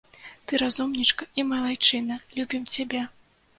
Ты разумнічка і малайчына, любім цябе.